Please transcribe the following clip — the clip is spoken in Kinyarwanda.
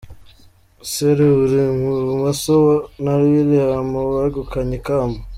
Sere uri i bumoso na Wiiliam wegukanye ikamba.